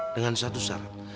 dengan satu syarat